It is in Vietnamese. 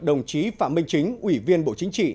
đồng chí phạm minh chính ủy viên bộ chính trị